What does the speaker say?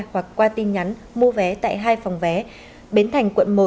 hoặc qua tin nhắn mua vé tại hai phòng vé bến thành quận một